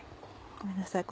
ごめんなさい